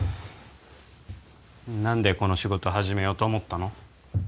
何でこの仕事始めようと思ったの？